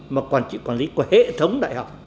mà quản trị quản lý của hệ thống đại học